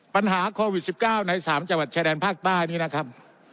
ปัญหาโควิด๑๙ใน๓จังหวัดชายแดนภาคใต้นี้นะครับ